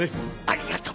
ありがとう。